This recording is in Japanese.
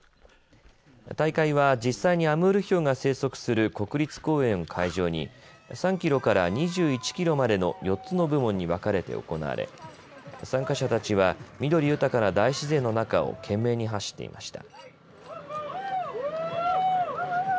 大会は実際にアムールヒョウが生息する国立公園を会場に３キロから２１キロまでの４つの部門に分かれて行われ参加者たちは緑豊かな大自然の中を懸命に走っていました。